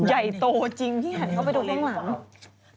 ใหญ่โตจริงที่หันเข้าไปดูข้างหลัง